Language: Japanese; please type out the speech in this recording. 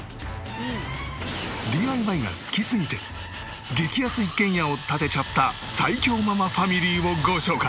ＤＩＹが好きすぎて激安一軒家を建てちゃった最強ママファミリーをご紹介。